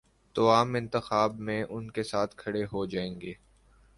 تو عام انتخابات میں ان کے ساتھ کھڑے ہو جائیں گے۔